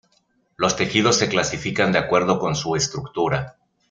Los tejidos se clasifican de acuerdo con su estructura.